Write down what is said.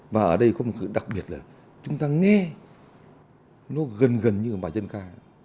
và ở đây có một thứ đặc biệt là chúng ta nghe nó gần gần như một bài dân ca